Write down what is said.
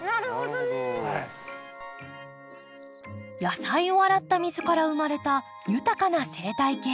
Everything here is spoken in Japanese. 野菜を洗った水から生まれた豊かな生態系。